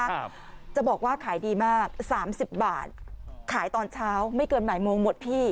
ครับจะบอกว่าขายดีมากสามสิบบาทขายตอนเช้าไม่เกินบ่ายโมงหมดพี่